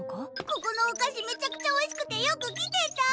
ここのお菓子めちゃくちゃおいしくてよく来てた！